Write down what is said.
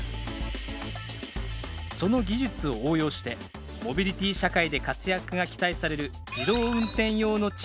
その技術を応用してモビリティ社会で活躍が期待される自動運転用の地図を開発しています